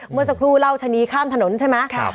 เมื่อสักครู่เล่าชะนีข้ามถนนใช่ไหม